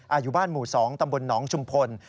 อายุบ้านหมู่๒ตำบลหนองชุมพล